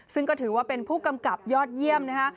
ซึ่งก็ถือว่าเป็นผู้กำกับยอดเยี่ยมนะคะ